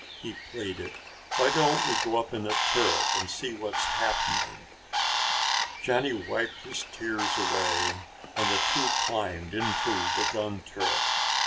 he pleaded. "Why don't we go up in the turret and see what's happening." Johnny wiped his tears away and the two climbed into the gun turret.